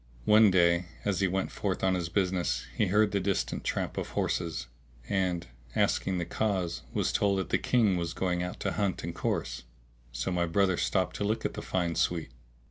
One day, as he went forth on his business, he heard the distant tramp of horses and, asking the cause, was told that the King was going out to hunt and course; so my brother stopped to look at the fine suite.